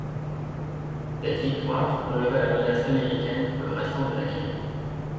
Cette victoire enleva la menace américaine pour le restant de la guerre.